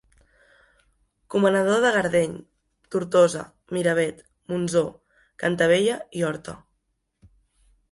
Comanador de Gardeny, Tortosa, Miravet, Montsó, Cantavella i Horta.